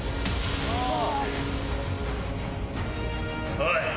おい！